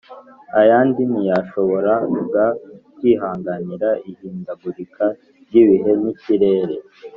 ayandi ntiyashoboraga kwihanganira ihindagurika ry’ibihe n’ikirere